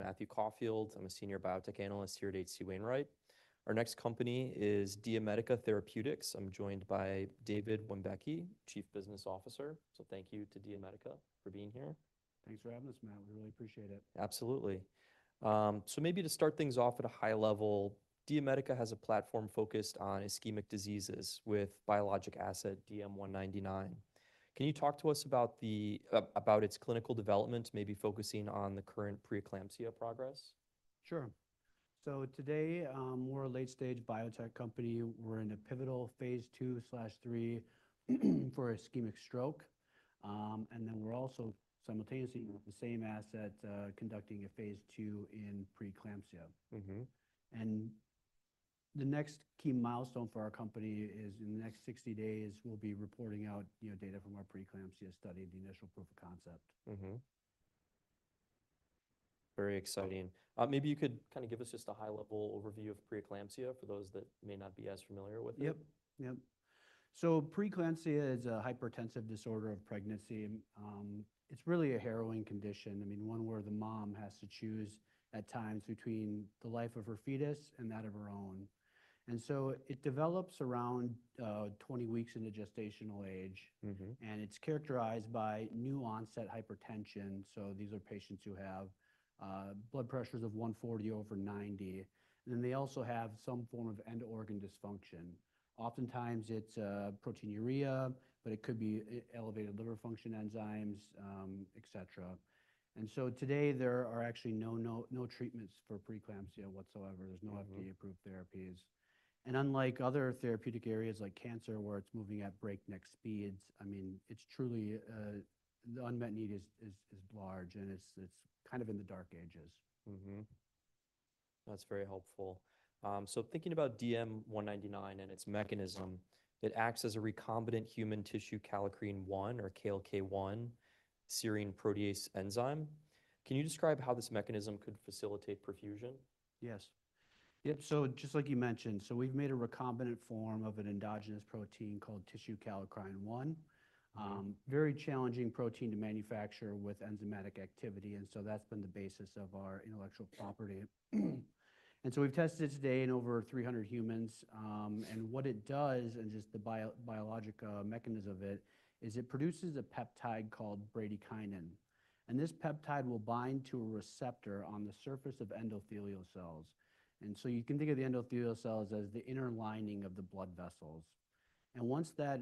Matthew Caufield, I'm a senior biotech analyst here at H.C. Wainwright. Our next company is DiaMedica Therapeutics. I'm joined by David Wambeke, Chief Business Officer. Thank you to DiaMedica for being here. Thanks for having us, Matt. We really appreciate it. Absolutely. So maybe to start things off at a high level, DiaMedica has a platform focused on ischemic diseases with biologic asset DM199. Can you talk to us about its clinical development, maybe focusing on the current pre-eclampsia progress? Sure. Today, we're a late-stage biotech company. We're in a pivotal phase II/III for ischemic stroke. We're also simultaneously using the same asset, conducting a phase II in pre-eclampsia. The next key milestone for our company is in the next 60 days, we'll be reporting out data from our pre-eclampsia study, the initial proof of concept. Very exciting. Maybe you could kind of give us just a high-level overview of pre-eclampsia for those that may not be as familiar with it. Yep. Yep. Pre-eclampsia is a hypertensive disorder of pregnancy. It's really a harrowing condition. I mean, one where the mom has to choose at times between the life of her fetus and that of her own. It develops around 20 weeks into gestational age. It's characterized by new onset hypertension. These are patients who have blood pressures of 140 over 90. They also have some form of end-organ dysfunction. Oftentimes, it's proteinuria, but it could be elevated liver function enzymes, etc. Today, there are actually no treatments for pre-eclampsia whatsoever. There's no FDA-approved therapies. Unlike other therapeutic areas like cancer, where it's moving at breakneck speeds, I mean, truly the unmet need is large, and it's kind of in the dark ages. That's very helpful. So thinking about DM199 and its mechanism, it acts as a recombinant human tissue kallikrein-1, or KLK1, serine protease enzyme. Can you describe how this mechanism could facilitate perfusion? Yes. Yep. Just like you mentioned, we've made a recombinant form of an endogenous protein called tissue kallikrein-1. Very challenging protein to manufacture with enzymatic activity. That's been the basis of our intellectual property. We've tested it to date in over 300 humans. What it does, and just the biologic mechanism of it, is it produces a peptide called bradykinin. This peptide will bind to a receptor on the surface of endothelial cells. You can think of the endothelial cells as the inner lining of the blood vessels. Once that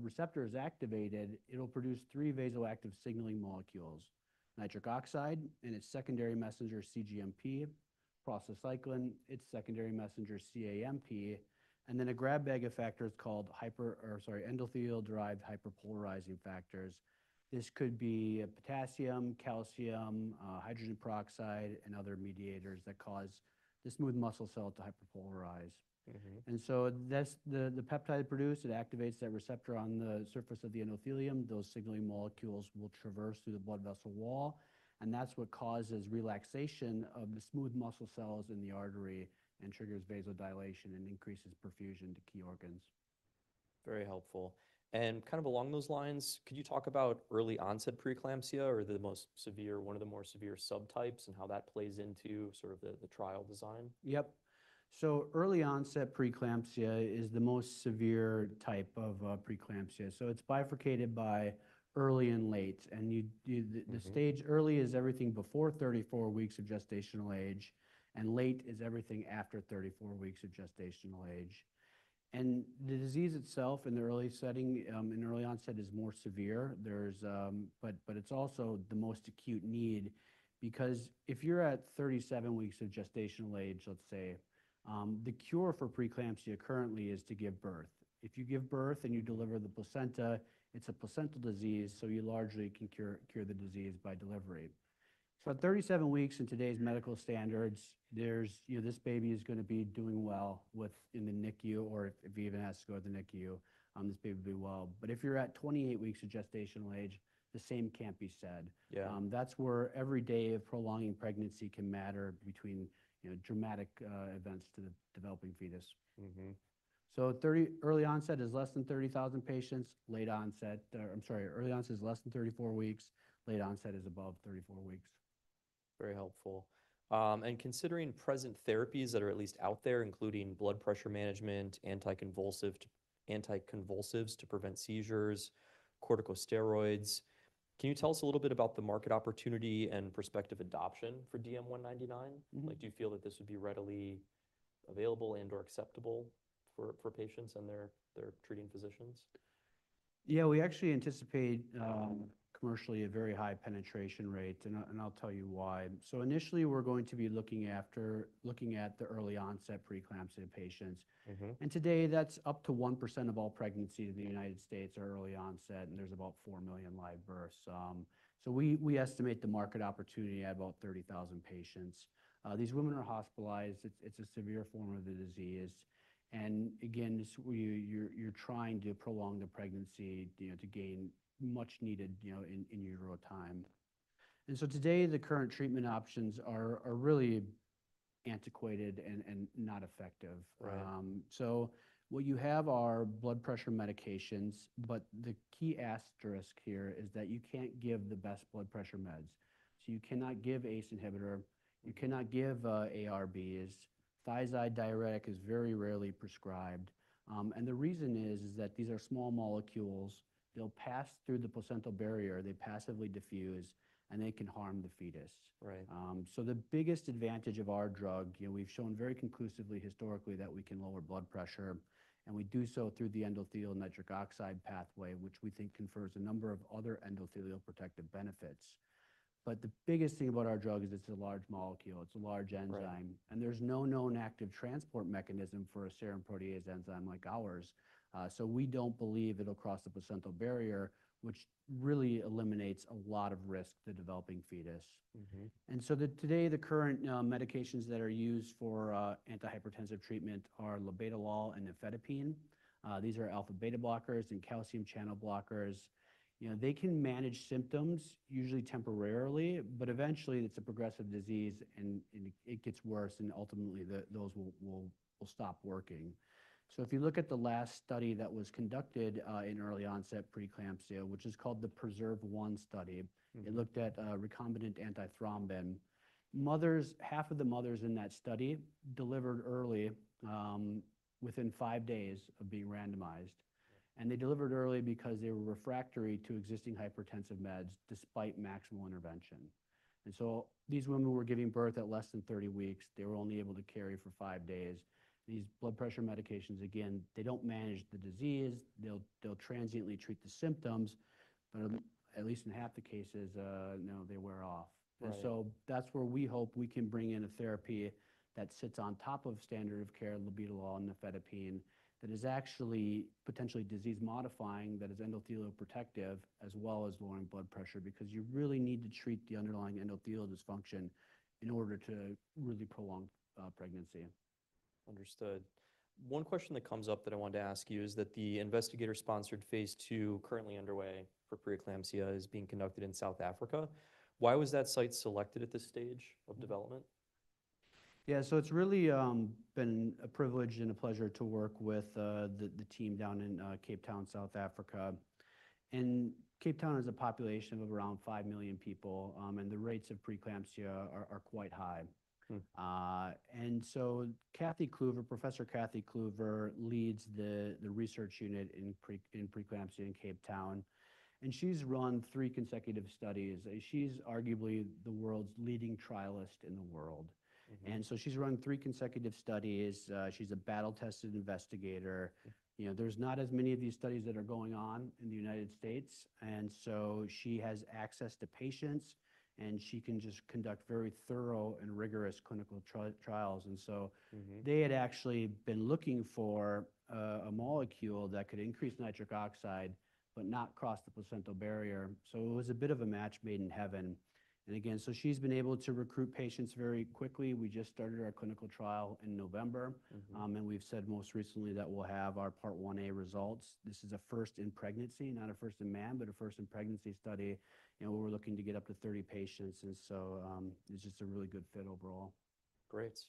receptor is activated, it'll produce three vasoactive signaling molecules: nitric oxide and its secondary messenger cGMP, prostacyclin, its secondary messenger cAMP, and then a grab bag of factors called, hyper—sorry, endothelial-derived hyperpolarizing factors. This could be potassium, calcium, hydrogen peroxide, and other mediators that cause the smooth muscle cell to hyperpolarize. The peptide produced, it activates that receptor on the surface of the endothelium. Those signaling molecules will traverse through the blood vessel wall. That is what causes relaxation of the smooth muscle cells in the artery and triggers vasodilation and increases perfusion to key organs. Very helpful. And kind of along those lines, could you talk about early onset pre-eclampsia or the most severe, one of the more severe subtypes, and how that plays into sort of the trial design? Yep. Early onset pre-eclampsia is the most severe type of pre-eclampsia. It is bifurcated by early and late. The stage early is everything before 34 weeks of gestational age, and late is everything after 34 weeks of gestational age. The disease itself in the early setting, in early onset, is more severe. It is also the most acute need because if you are at 37 weeks of gestational age, let's say, the cure for pre-eclampsia currently is to give birth. If you give birth and you deliver the placenta, it is a placental disease, so you largely can cure the disease by delivery. At 37 weeks, in today's medical standards, this baby is going to be doing well in the NICU, or if he even has to go to the NICU, this baby will be well. If you're at 28 weeks of gestational age, the same can't be said. That's where every day of prolonging pregnancy can matter between dramatic events to the developing fetus. Early onset is less than 30,000 patients. Early onset is less than 34 weeks. Late onset is above 34 weeks. Very helpful. Considering present therapies that are at least out there, including blood pressure management, anticonvulsives to prevent seizures, corticosteroids, can you tell us a little bit about the market opportunity and prospective adoption for DM199? Do you feel that this would be readily available and/or acceptable for patients and their treating physicians? Yeah, we actually anticipate commercially a very high penetration rate, and I'll tell you why. Initially, we're going to be looking at the early onset pre-eclampsia patients. Today, that's up to 1% of all pregnancies in the United States are early onset, and there's about 4 million live births. We estimate the market opportunity at about 30,000 patients. These women are hospitalized. It's a severe form of the disease. Again, you're trying to prolong the pregnancy to gain much-needed in utero time. Today, the current treatment options are really antiquated and not effective. What you have are blood pressure medications, but the key asterisk here is that you can't give the best blood pressure meds. You cannot give ACE inhibitor. You cannot give ARBs. Thiazide diuretic is very rarely prescribed. The reason is that these are small molecules. They'll pass through the placental barrier. They passively diffuse, and they can harm the fetus. The biggest advantage of our drug, we've shown very conclusively historically that we can lower blood pressure. We do so through the endothelial nitric oxide pathway, which we think confers a number of other endothelial protective benefits. The biggest thing about our drug is it's a large molecule. It's a large enzyme. There's no known active transport mechanism for a serine protease enzyme like ours. We don't believe it'll cross the placental barrier, which really eliminates a lot of risk to developing fetus. Today, the current medications that are used for antihypertensive treatment are labetalol and nifedipine. These are alpha beta blockers and calcium channel blockers. They can manage symptoms, usually temporarily, but eventually, it's a progressive disease, and it gets worse, and ultimately, those will stop working. If you look at the last study that was conducted in early onset pre-eclampsia, which is called the PRESERVE-1 study, it looked at recombinant antithrombin. Half of the mothers in that study delivered early within five days of being randomized. They delivered early because they were refractory to existing hypertensive meds despite maximal intervention. These women were giving birth at less than 30 weeks. They were only able to carry for five days. These blood pressure medications, again, they do not manage the disease. They will transiently treat the symptoms, but at least in half the cases, they wear off. That is where we hope we can bring in a therapy that sits on top of standard of care, labetalol and nifedipine, that is actually potentially disease-modifying, that is endothelial protective, as well as lowering blood pressure because you really need to treat the underlying endothelial dysfunction in order to really prolong pregnancy. Understood. One question that comes up that I wanted to ask you is that the investigator-sponsored phase II, currently underway for pre-eclampsia, is being conducted in South Africa. Why was that site selected at this stage of development? Yeah, so it's really been a privilege and a pleasure to work with the team down in Cape Town, South Africa. Cape Town has a population of around 5 million people, and the rates of pre-eclampsia are quite high. Professor Cathy Cluver leads the research unit in pre-eclampsia in Cape Town. She's run three consecutive studies. She's arguably the world's leading trialist in the world. She's run three consecutive studies. She's a battle-tested investigator. There's not as many of these studies that are going on in the United States. She has access to patients, and she can just conduct very thorough and rigorous clinical trials. They had actually been looking for a molecule that could increase nitric oxide but not cross the placental barrier. It was a bit of a match made in heaven. Again, she's been able to recruit patients very quickly. We just started our clinical trial in November. We've said most recently that we'll have our part 1A results. This is a first in pregnancy, not a first in man, but a first in pregnancy study. We're looking to get up to 30 patients. It's just a really good fit overall. Great.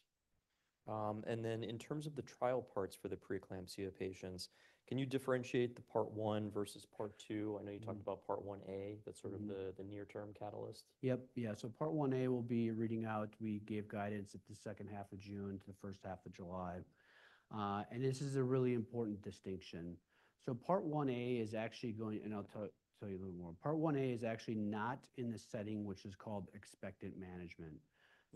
In terms of the trial parts for the pre-eclampsia patients, can you differentiate the part one versus part two? I know you talked about part 1A, that's sort of the near-term catalyst. Yep. Yeah. Part 1A will be reading out, we gave guidance at the second half of June to the first half of July. This is a really important distinction. Part 1A is actually going—and I'll tell you a little more—part 1A is actually not in the setting which is called expectant management.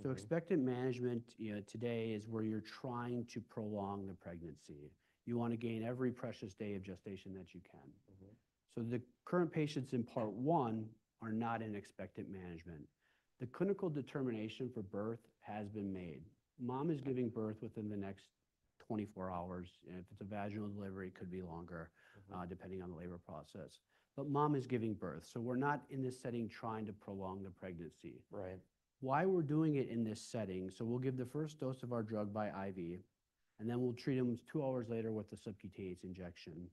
Expectant management today is where you're trying to prolong the pregnancy. You want to gain every precious day of gestation that you can. The current patients in part one are not in expectant management. The clinical determination for birth has been made. Mom is giving birth within the next 24 hours. If it's a vaginal delivery, it could be longer, depending on the labor process. Mom is giving birth. We're not in this setting trying to prolong the pregnancy. Why we're doing it in this setting is we'll give the first dose of our drug by IV, and then we'll treat them two hours later with a subcutaneous injection.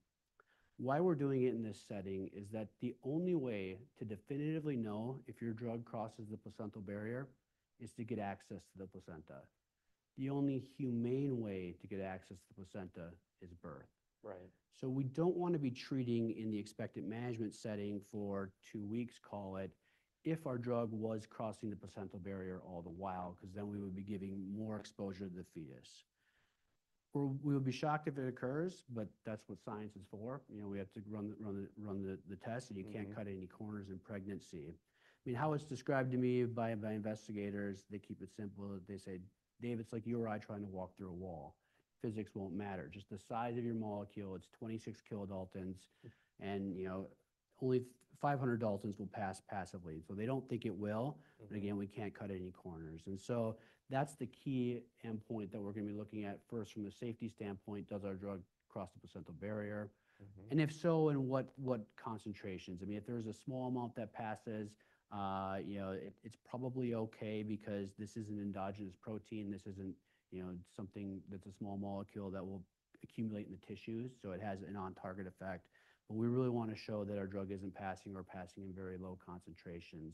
Why we're doing it in this setting is that the only way to definitively know if your drug crosses the placental barrier is to get access to the placenta. The only humane way to get access to the placenta is birth. We do not want to be treating in the expectant management setting for two weeks, call it, if our drug was crossing the placental barrier all the while because then we would be giving more exposure to the fetus. We would be shocked if it occurs, but that's what science is for. We have to run the test, and you cannot cut any corners in pregnancy. I mean, how it's described to me by investigators, they keep it simple. They say, "David, it's like you or I trying to walk through a wall." Physics will not matter. Just the size of your molecule, it's 26 kDA, and only 500 Da will pass passively. They do not think it will. Again, we cannot cut any corners. That is the key endpoint that we are going to be looking at first from a safety standpoint: does our drug cross the placental barrier? If so, in what concentrations? I mean, if there is a small amount that passes, it is probably okay because this is an endogenous protein. This is not something that is a small molecule that will accumulate in the tissues. It has an on-target effect. We really want to show that our drug is not passing or passing in very low concentrations.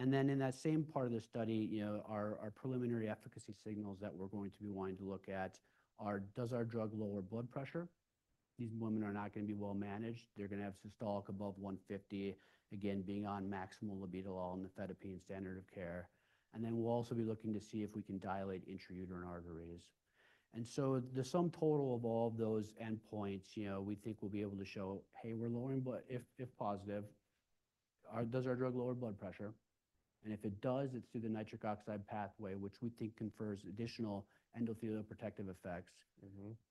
In that same part of the study, our preliminary efficacy signals that we're going to be wanting to look at are: does our drug lower blood pressure? These women are not going to be well managed. They're going to have systolic above 150, again, being on maximal labetalol and nifedipine standard of care. We'll also be looking to see if we can dilate intrauterine arteries. The sum total of all of those endpoints, we think we'll be able to show, "Hey, we're lowering, but if positive, does our drug lower blood pressure?" If it does, it's through the nitric oxide pathway, which we think confers additional endothelial protective effects.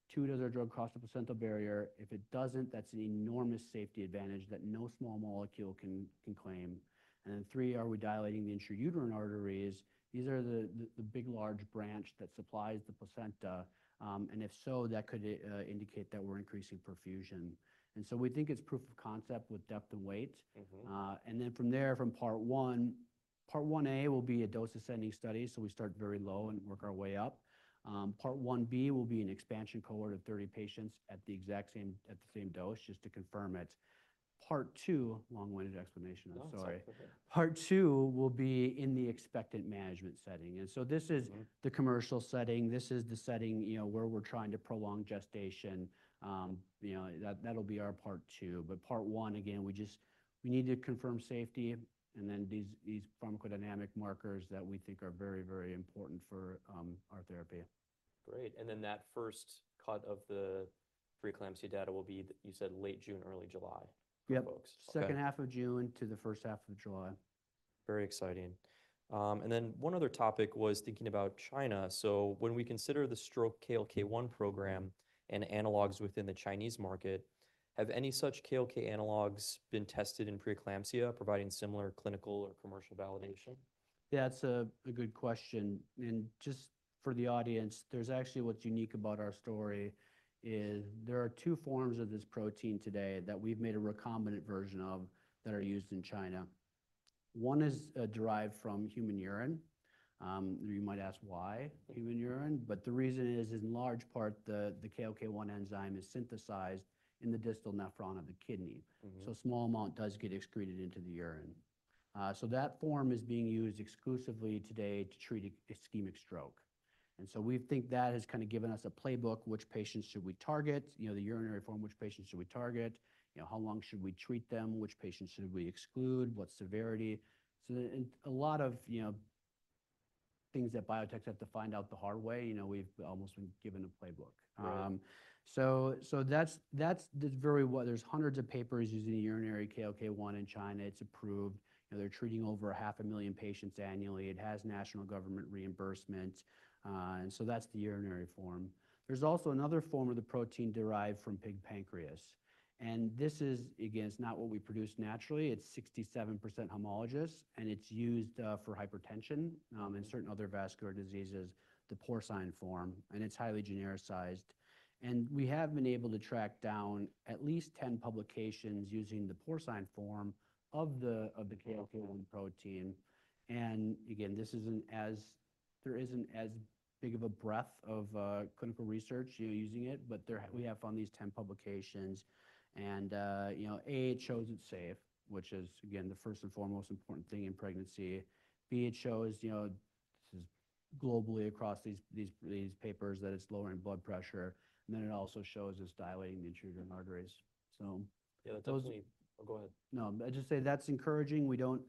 Two, does our drug cross the placental barrier? If it doesn't, that's an enormous safety advantage that no small molecule can claim. Three, are we dilating the intrauterine arteries? These are the big, large branch that supplies the placenta. If so, that could indicate that we're increasing perfusion. We think it's proof of concept with depth and weight. From there, from part one, part 1A will be a dose-ascending study. We start very low and work our way up. Part 1B will be an expansion cohort of 30 patients at the exact same dose just to confirm it. Part one—long-winded explanation, I'm sorry—part two will be in the expectant management setting. This is the commercial setting. This is the setting where we're trying to prolong gestation. That'll be our part two. Part one, again, we need to confirm safety and then these pharmacodynamic markers that we think are very, very important for our therapy. Great. That first cut of the pre-eclampsia data will be, you said, late June, early July, folks. Yep. Second half of June to the first half of July. Very exciting. Then one other topic was thinking about China. When we consider the stroke KLK1 program and analogs within the Chinese market, have any such KLK analogs been tested in pre-eclampsia, providing similar clinical or commercial validation? Yeah, that's a good question. Just for the audience, what's unique about our story is there are two forms of this protein today that we've made a recombinant version of that are used in China. One is derived from human urine. You might ask why human urine. The reason is, in large part, the KLK1 enzyme is synthesized in the distal nephron of the kidney. A small amount does get excreted into the urine. That form is being used exclusively today to treat ischemic stroke. We think that has kind of given us a playbook: which patients should we target, the urinary form, which patients should we target, how long should we treat them, which patients should we exclude, what severity. A lot of things that biotechs have to find out the hard way, we've almost been given a playbook. That's very, what, there's hundreds of papers using urinary KLK1 in China. It's approved. They're treating over 500,000 patients annually. It has national government reimbursement. That's the urinary form. There's also another form of the protein derived from pig pancreas. This is, again, it's not what we produce naturally. It's 67% homologous, and it's used for hypertension and certain other vascular diseases, the porcine form. It's highly genericized. We have been able to track down at least 10 publications using the porcine form of the KLK1 protein. Again, there isn't as big of a breadth of clinical research using it, but we have found these 10 publications. A, it shows it's safe, which is, again, the first and foremost important thing in pregnancy. B, it shows, this is globally across these papers, that it's lowering blood pressure. It also shows us dilating the intrauterine arteries, so. Yeah, that tells me—oh, go ahead. No, I just say that's encouraging. We don't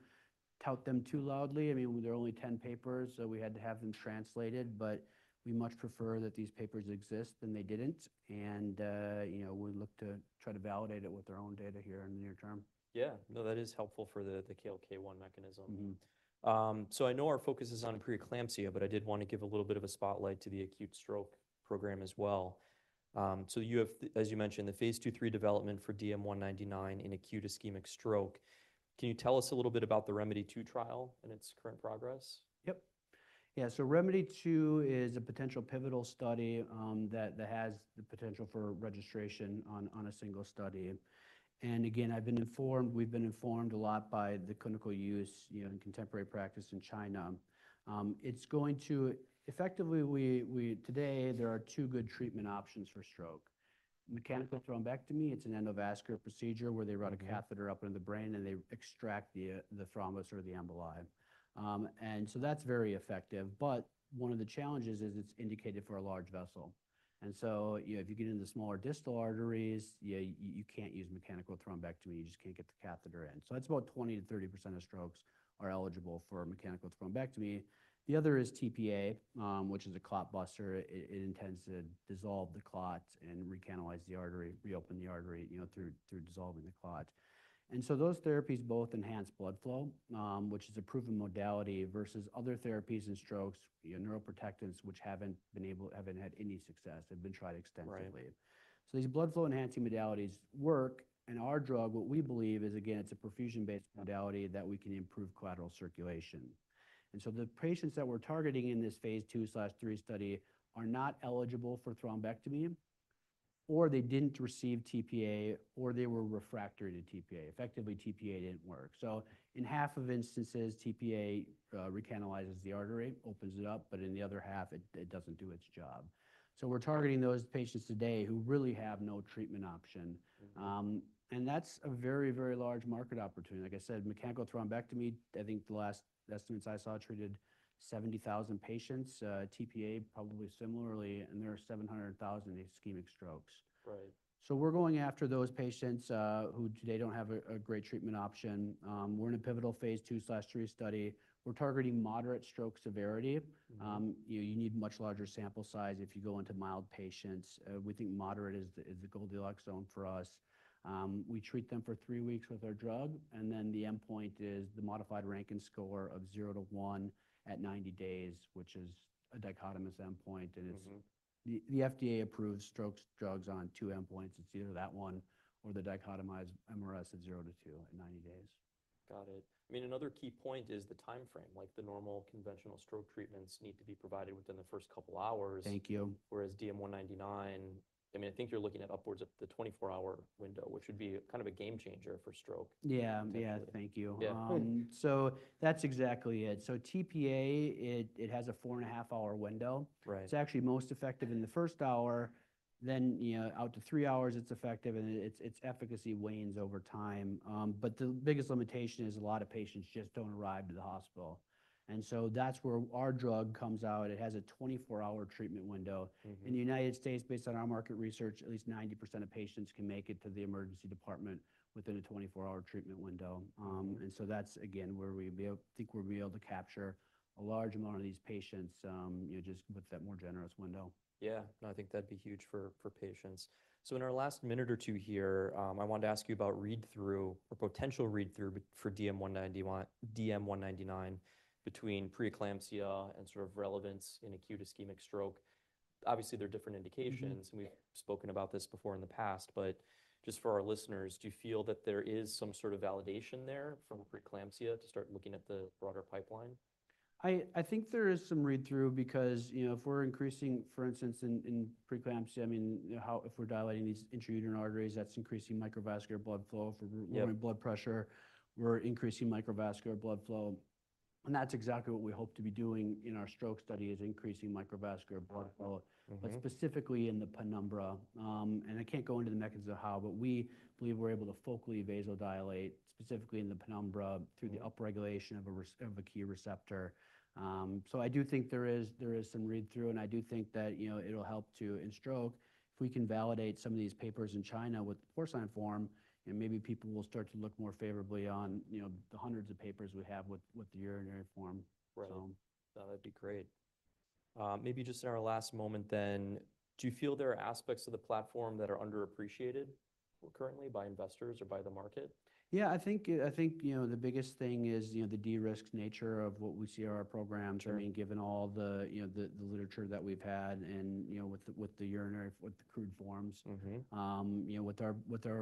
tout them too loudly. I mean, there are only 10 papers, so we had to have them translated. We much prefer that these papers exist than they didn't. We look to try to validate it with our own data here in the near term. Yeah. No, that is helpful for the KLK1 mechanism. I know our focus is on pre-eclampsia, but I did want to give a little bit of a spotlight to the acute stroke program as well. You have, as you mentioned, the phase II/III development for DM199 in acute ischemic stroke. Can you tell us a little bit about the ReMEDy2 trial and its current progress? Yep. Yeah. ReMEDy2 is a potential pivotal study that has the potential for registration on a single study. Again, I've been informed—we've been informed a lot by the clinical use in contemporary practice in China. It's going to effectively, today, there are two good treatment options for stroke. Mechanical thrombectomy, it's an endovascular procedure where they run a catheter up into the brain, and they extract the thrombus or the emboli. That's very effective. One of the challenges is it's indicated for a large vessel. If you get into smaller distal arteries, you can't use mechanical thrombectomy. You just can't get the catheter in. That's about 20%-30% of strokes are eligible for mechanical thrombectomy. The other is TPA, which is a clot buster. It intends to dissolve the clot and recanalize the artery, reopen the artery through dissolving the clot. Those therapies both enhance blood flow, which is a proven modality versus other therapies in strokes, neuroprotectants, which have not been able—have not had any success. They have been tried extensively. These blood flow enhancing modalities work. Our drug, what we believe is, again, it is a perfusion-based modality that we can improve collateral circulation. The patients that we are targeting in this phase II/III study are not eligible for thrombectomy, or they did not receive TPA, or they were refractory to TPA. Effectively, TPA did not work. In half of instances, TPA recanalizes the artery, opens it up, but in the other half, it does not do its job. We are targeting those patients today who really have no treatment option. That is a very, very large market opportunity. Like I said, mechanical thrombectomy, I think the last estimates I saw treated 70,000 patients. TPA, probably similarly, and there are 700,000 ischemic strokes. We are going after those patients who today do not have a great treatment option. We are in a pivotal phase II/III study. We are targeting moderate stroke severity. You need much larger sample size if you go into mild patients. We think moderate is the goldilocks zone for us. We treat them for three weeks with our drug. The endpoint is the modified Rankin score of 0-1 at 90-days, which is a dichotomous endpoint. The FDA approves stroke drugs on two endpoints. It is either that one or the dichotomized MRS of 0-2 at 90-days. Got it. I mean, another key point is the timeframe. Like the normal conventional stroke treatments need to be provided within the first couple of hours. Thank you. Whereas DM199, I mean, I think you're looking at upwards of the 24-hour window, which would be kind of a game changer for stroke. Yeah. Yeah. Thank you. So that's exactly it. TPA, it has a four-and-a-half-hour window. It's actually most effective in the first hour. Then out to three hours, it's effective, and its efficacy wanes over time. The biggest limitation is a lot of patients just do not arrive to the hospital. That is where our drug comes out. It has a 24-hour treatment window. In the United States, based on our market research, at least 90% of patients can make it to the emergency department within a 24-hour treatment window. That is, again, where we think we'll be able to capture a large amount of these patients just with that more generous window. Yeah. No, I think that'd be huge for patients. In our last minute or two here, I wanted to ask you about read-through or potential read-through for DM199 between pre-eclampsia and sort of relevance in acute ischemic stroke. Obviously, there are different indications. We've spoken about this before in the past. Just for our listeners, do you feel that there is some sort of validation there from pre-eclampsia to start looking at the broader pipeline? I think there is some read-through because if we're increasing, for instance, in pre-eclampsia, I mean, if we're dilating these intrauterine arteries, that's increasing microvascular blood flow for lowering blood pressure. We're increasing microvascular blood flow. That's exactly what we hope to be doing in our stroke study is increasing microvascular blood flow, but specifically in the penumbra. I can't go into the mechanism of how, but we believe we're able to focally vasodilate specifically in the penumbra through the upregulation of a key receptor. I do think there is some read-through, and I do think that it'll help too in stroke if we can validate some of these papers in China with porcine form, and maybe people will start to look more favorably on the hundreds of papers we have with the urinary form, so. Right. That'd be great. Maybe just in our last moment then, do you feel there are aspects of the platform that are underappreciated currently by investors or by the market? Yeah. I think the biggest thing is the de-risk nature of what we see in our programs. I mean, given all the literature that we've had and with the urinary, with the crude forms. With our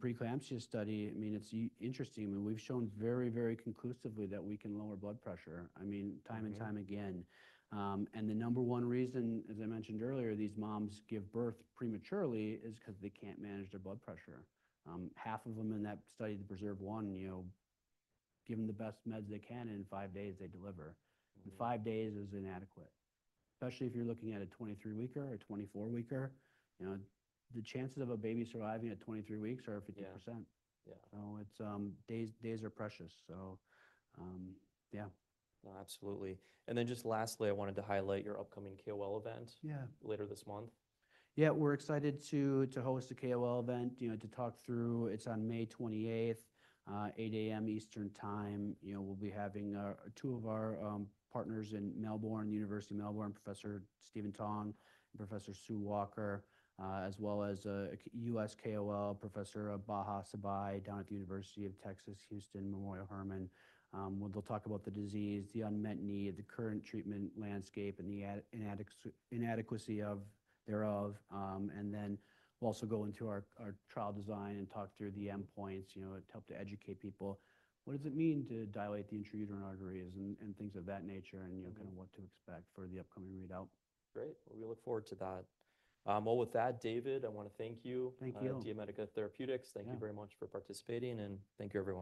pre-eclampsia study, I mean, it's interesting. I mean, we've shown very, very conclusively that we can lower blood pressure, I mean, time and time again. The number one reason, as I mentioned earlier, these moms give birth prematurely is because they can't manage their blood pressure. Half of them in that study, the PRESERVE-1, give them the best meds they can, and in five days, they deliver. Five days is inadequate, especially if you're looking at a 23-weeker or a 24-weeker. The chances of a baby surviving at 23 weeks are 50%. Days are precious. Yeah. No, absolutely. Lastly, I wanted to highlight your upcoming KOL event later this month. Yeah. We're excited to host a KOL event to talk through. It's on May 28th, 8:00 A.M. Eastern Time. We'll be having two of our partners in Melbourne, University of Melbourne, Professor Stephen Tong and Professor Sue Walker, as well as a U.S. KOL, Professor Baha Sibai down at the University of Texas, Houston Memorial Hermann. They'll talk about the disease, the unmet need, the current treatment landscape, and the inadequacy thereof. We'll also go into our trial design and talk through the endpoints to help to educate people. What does it mean to dilate the intrauterine arteries and things of that nature and kind of what to expect for the upcoming readout? Great. We look forward to that. With that, David, I want to thank you. Thank you. DiaMedica Therapeutics. Thank you very much for participating, and thank you everyone.